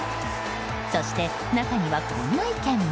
そして、中にはこんな意見も。